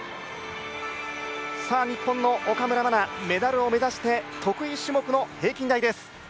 日本の岡村真、メダルを目指して得意種目の平均台です。